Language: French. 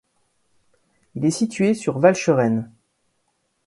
Il est situé sur Walcheren.